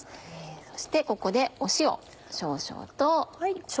そしてここで塩少々と。